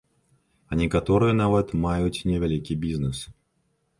А некаторыя нават маюць невялікі бізнэс.